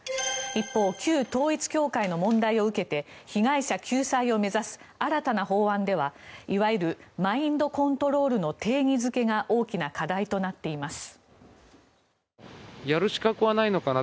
一方、旧統一教会の問題を受けて被害者救済を目指す新たな法案ではいわゆるマインドコントロールの定義付けが大きな課題となっています。